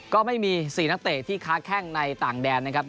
ก็ไม่มี๔นักเตะที่ค้าแข้งในต่างแดนนะครับ